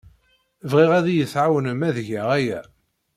Bɣiɣ ad iyi-tɛawnem ad geɣ aya.